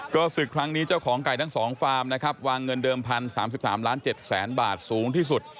ก็ศึกครั้งนี้เจ้าของไก่ทั้งสองฟาร์มนะครับวางเงินเดิมพันสามสิบสามล้านเจ็ดแสนบาทสูงที่สุด